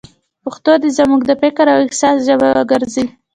پښتو دې زموږ د فکر او احساس ژبه وګرځي.